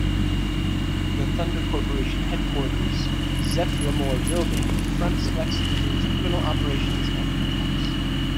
The Thunder Corporation headquarters "Zephrymore Building" fronts Lex Luthor's criminal operations and penthouse.